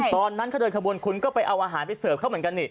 ตอนนั้นเขาเดินขบวนคุณก็ไปเอาอาหารไปเสิร์ฟเขาเหมือนกันนี่